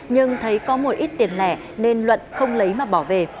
nhưng thấy có một ít tiền lẻ nên luận không lấy mà bỏ về